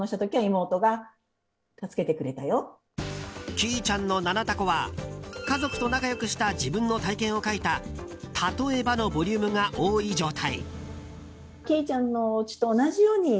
きいちゃんの「ななたこ」は家族と仲良くした自分の体験を書いた「例えば」のボリュームが多い状態。